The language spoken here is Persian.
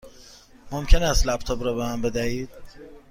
ممکن است لپ تاپ را به من بدهید؟